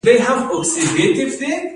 خصوصي ښوونځي او پوهنتونونه شته